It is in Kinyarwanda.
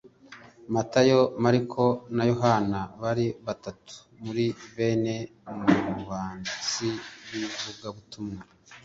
Matayo, Mariko na Yohana bari batatu muri bane mu banditsi b'ivugabutumwa